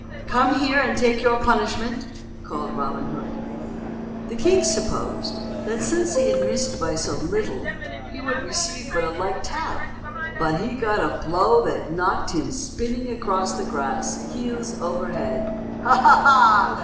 "Come here and take your punishment," called Robin Hood. The king supposed that, since he had missed by so little, he would receive but a light tap, but he got a blow that knocked him spinning across the grass, heels over head. "Ha, ha, ha!"